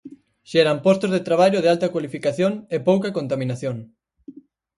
Xeran postos de traballo de alta cualificación e pouca contaminación.